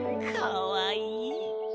かわいい。